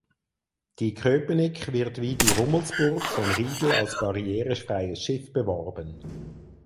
Die "Köpenick" wird wie die "Rummelsburg" von Riedel als „barrierefreies Schiff“ beworben.